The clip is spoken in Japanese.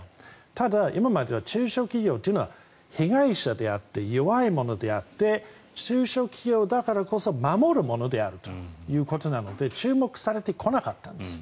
ただ、今までは中小企業というのは被害者であって弱いものであって中小企業だからこそ守るものであるということなので注目されてこなかったんです。